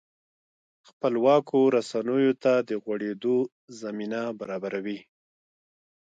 خپلواکو رسنیو ته د غوړېدو زمینه برابروي.